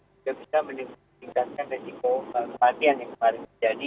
juga bisa meningkatkan resiko kematian yang kemarin terjadi